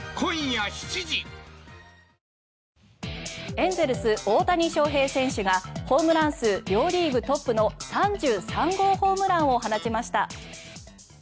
エンゼルス大谷翔平選手がホームラン数、両リーグトップの３３号ホームランを放ちました。